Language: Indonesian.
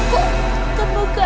kok tambah ke atas